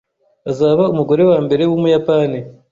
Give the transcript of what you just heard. Azaba umugore wambere wumuyapani